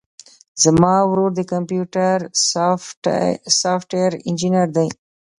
زما ورور د کمپيوټر سافټوېر انجينر دی.